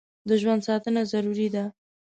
د ژوند ساتنه ضروري ده.